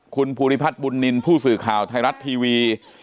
คุณภูริพัฒน์บุญนินทร์ผู้สื่อข่าวไทยรัฐทีวี